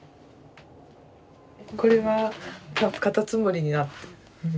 これはカタツムリになってる。